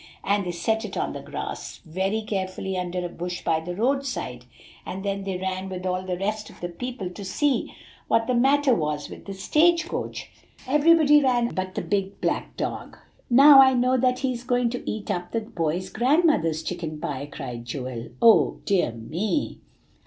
And they set it on the grass, very carefully under a bush by the roadside; and then they ran with all the rest of the people to see what the matter was with the stage coach. Everybody ran but the big black dog." "Now I know that he is going to eat up the boys' grandmother's chicken pie," cried Joel "oh, dear me!"